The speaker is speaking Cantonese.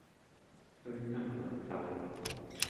雖則略瘦，